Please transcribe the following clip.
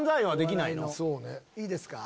いいですか？